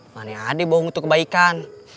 mana ada yang bohong untuk kebaikan